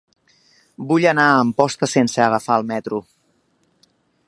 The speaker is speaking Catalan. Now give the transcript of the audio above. Vull anar a Amposta sense agafar el metro.